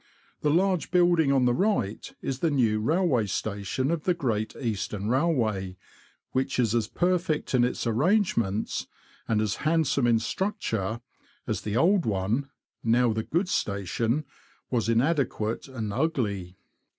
The large building on the right is the new railway station of the Great Eastern Rail way, which is as perfect in its arrangements, and as handsome in structure, as the old one (now the goods station) was inadequate and ugly.